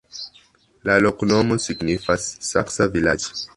La loknomo signifas: saksa-vilaĝ'.